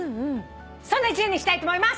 そんな１年にしたいと思います！